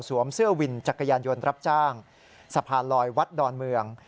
เสื้อวินจักรยานยนต์รับจ้างสะพานลอยวัดดอนเมือง